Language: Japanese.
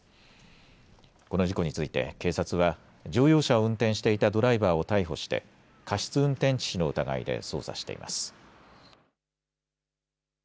この事故について警察は乗用車を運転していたドライバーを逮捕して過失運転致死の疑いで捜査しています。